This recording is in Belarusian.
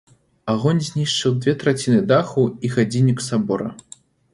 Агонь знішчыў дзве траціны даху і гадзіннік сабора.